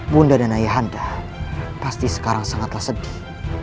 bunda dan ayahanda pasti sekarang sangatlah sedih